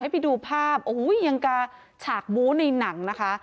ไปดูภาพโอ้โหยังจะฉากบู้ในหนังนะคะ